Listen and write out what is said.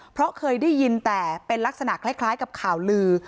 เพราะเคยได้ยินแต่เป็นลักษณะคล้ายกับข่าวลือ